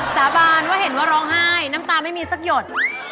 สาบานว่าเห็นว่าร้องไห้น้ำตาไม่มีสักหยด